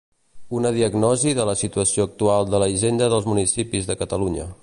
Una diagnosi de la situació actual de la hisenda dels municipis de Catalunya.